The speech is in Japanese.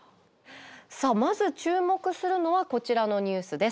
さあまず注目するのはこちらのニュースです。